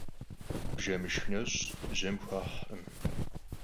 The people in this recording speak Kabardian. Bjjemışşx neş' jem xuahırkhım.